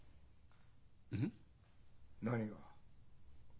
うん？何が？